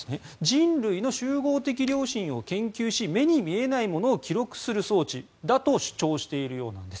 人類の集合的良心を研究し目に見えないものを記録する装置だと主張しているそうです。